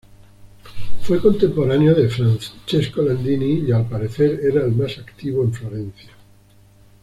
Fue contemporáneo de Francesco Landini y al parecer era el más activo en Florencia.